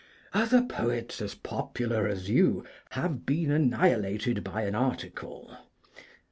Other poets, as popular as you, have been annihilated by an article.